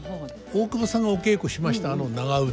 大久保さんがお稽古しましたあの長唄